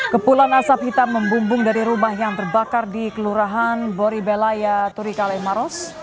kepulan asap hitam membumbung dari rumah yang terbakar di kelurahan boribelaya turikale maros